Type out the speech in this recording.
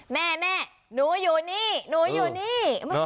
แม่แม่หนูอยู่นี่หนูอยู่นี่